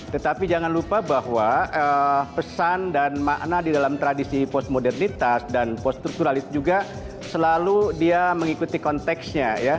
tetapi jangan lupa bahwa pesan dan makna di dalam tradisi postmodernitas dan poststrukturalis juga selalu dia mengikuti konteksnya